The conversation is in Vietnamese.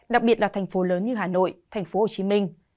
đặc biệt là thành phố lớn như hà nội thành phố hồ chí minh